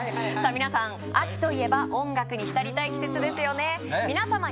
皆さん秋といえば音楽に浸りたい季節ですよね